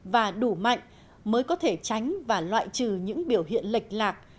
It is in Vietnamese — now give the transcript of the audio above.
và đủ mạnh mới có thể tránh và loại trừ những biểu hiện lệch lạc